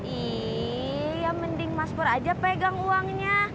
iya mending mas pur aja pegang uangnya